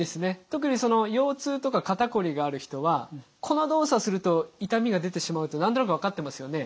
特にその腰痛とか肩こりがある人はこの動作すると痛みが出てしまうって何となく分かってますよね？